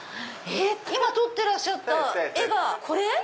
今撮ってらっしゃった画がこれ？